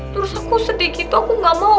terus aku sedih gitu aku gak mau